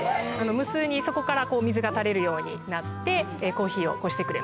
無数にそこから水が垂れるようになってコーヒーをこしてくれます。